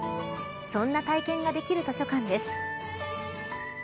そんな体験ができる図書館です。